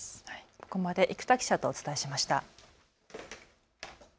ここまで生田記者とお伝えしました。